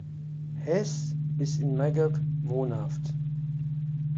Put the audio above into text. Heath ist in Magog wohnhaft.